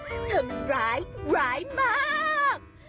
จนร้ายร้ายมาก